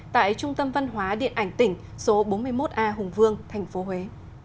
tại trung tâm văn hóa điện ảnh tỉnh số bốn mươi một a hùng vương tp huế